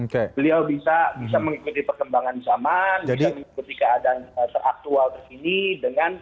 beliau bisa mengikuti perkembangan zaman bisa mengikuti keadaan teraktual di sini dengan